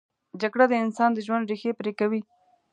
جګړه د انسان د ژوند ریښې پرې کوي